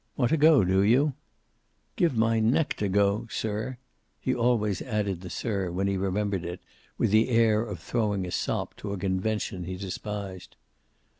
"Want to go, do you?" "Give my neck to go sir." He always added the "sir," when he remembered it, with the air of throwing a sop to a convention he despised.